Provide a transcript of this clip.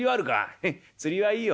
「へっ釣りはいいよ」。